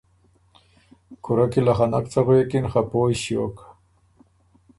کُورۀ کی له خه نک څه غوېکِن خه پویٛ ݭیوک